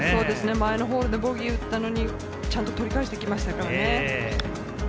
前のホールでボギーだったのに、ちゃんと取り返してきました。